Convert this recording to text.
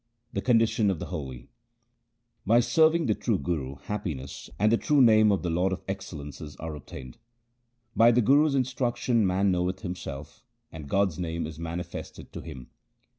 The condition of the holy :— By serving the true Guru happiness and the true Name of the Lord of excellences are obtained. By the Guru's instruction man knoweth himself, and God's name is manifested to him.